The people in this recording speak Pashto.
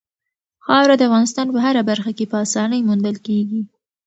خاوره د افغانستان په هره برخه کې په اسانۍ موندل کېږي.